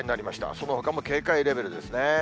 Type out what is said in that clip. そのほかも警戒レベルですね。